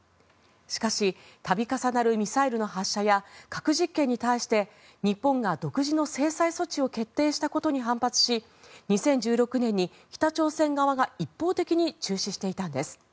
しかし度重なるミサイルの発射や核実験に対して日本が独自の制裁措置を決定したことに反発し２０１６年に北朝鮮側が一方的に中止していたんです。